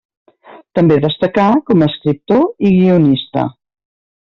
També destacà com a escriptor i guionista.